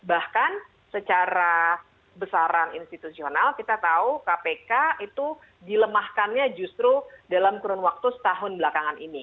bahkan secara besaran institusional kita tahu kpk itu dilemahkannya justru dalam kurun waktu setahun belakangan ini